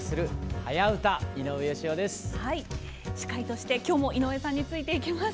はい司会として今日も井上さんについていきます。